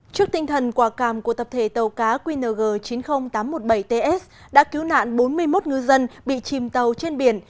trước tinh thần quả càm của tập thể tàu cá qng chín mươi nghìn tám trăm một mươi bảy ts đã cứu nạn bốn mươi một ngư dân bị chìm tàu trên biển